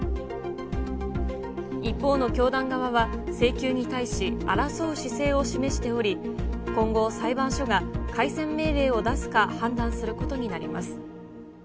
一方の教団側は、請求に対し、争う姿勢を示しており、今後、裁判所が解散命令を出すか判断することになります。